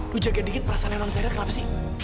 lo jaga dikit perasaan yang orang saya ada kenapa sih